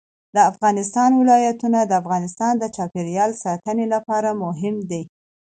د افغانستان ولايتونه د افغانستان د چاپیریال ساتنې لپاره مهم دي.